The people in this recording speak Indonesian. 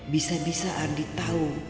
bisa bisa ardi tahu